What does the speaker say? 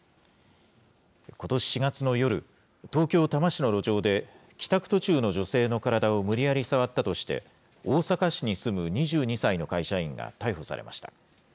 ことし４月の夜、東京・多摩市の路上で、帰宅途中の女性の体を無理やり触ったとして、大阪市に住む２２歳の会社員が逮捕されました。